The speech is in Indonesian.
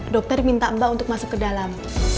dokter minta mbak untuk masuk ke dalam